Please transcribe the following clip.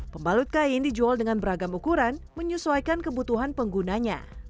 pembalut kain dijual dengan beragam ukuran menyesuaikan kebutuhan penggunanya